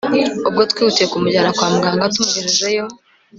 Ubwo twihutiye kumujyana kwa muganga tumugejejeyo